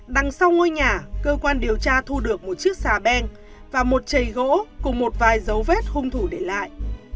đằng sau ngôi nhà cơ quan điều tra thu được một chiếc xà beng và một chầy gỗ cùng một vài dấu vết hung thủ để lại